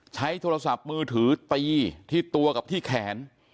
ใช้โทรศัพท์มือถือตีที่ตัวกับที่แขน